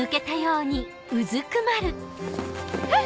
えっ！